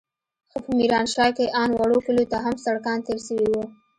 خو په ميرانشاه کښې ان وړو کليو ته هم سړکان تېر سوي وو.